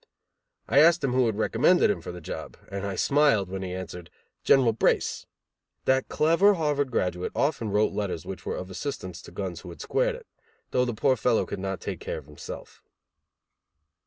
I asked him who had recommended him for the job, and I smiled when he answered: "General Brace". That clever Harvard graduate often wrote letters which were of assistance to guns who had squared it; though the poor fellow could not take care of himself.